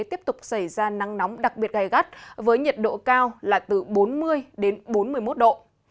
tiếp tục xảy ra nắng nóng đặc biệt gai gắt với nhiệt độ cao là từ bốn mươi đến bốn mươi một độ